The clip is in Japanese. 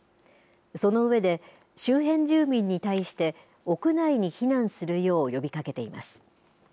その上で周辺住民に対して屋内に避難するよう呼びかけています。